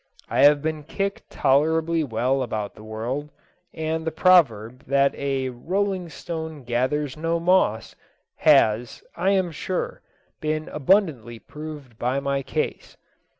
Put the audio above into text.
I have been kicked tolerably well about the world, and the proverb, that a "rolling stone gathers no moss," has, I am sure, been abundantly proved by my case.